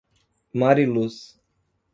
Mariluz